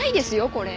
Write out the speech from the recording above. これ。